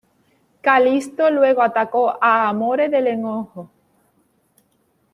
Kalisto luego atacó a Amore del enojo.